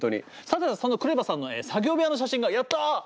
さてそんなＫＲＥＶＡさんの作業部屋の写真がやった！